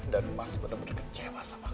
dan mas benar benar kecewa sama kamu